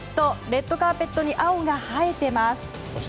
レッドカーペットに青が映えています。